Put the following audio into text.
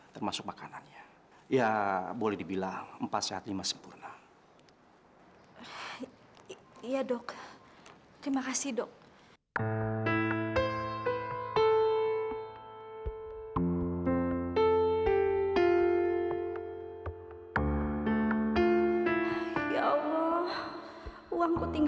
terima kasih ya ibu wati